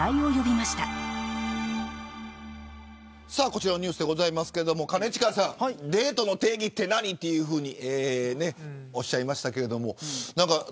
こちらのニュースですが兼近さんデートの定義って何というふうにおっしゃいましたけど。